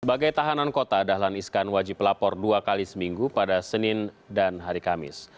sebagai tahanan kota dahlan iskan wajib lapor dua kali seminggu pada senin dan hari kamis